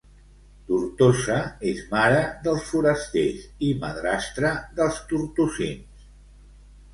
Tortosa és mare dels forasters i madrastra dels tortosins.